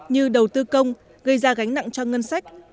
như đầu tư công gây ra gánh nặng cho ngân sách